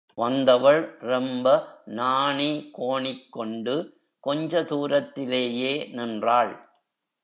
வந்தவள், ரொம்ப நாணிகோணிக் கொண்டு கொஞ்ச தூரத்திலேயே நின்றாள்.